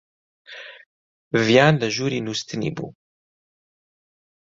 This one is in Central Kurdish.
ڤیان لە ژووری نووستنی بوو.